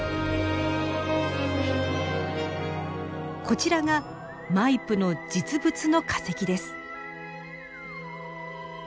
こちらがマイプの実物の化石です。